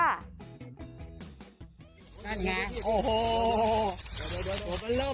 นั่งงานโอ้โฮ